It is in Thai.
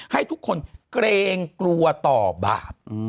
ให้ทุกคนเกรงกลัวต่อบาป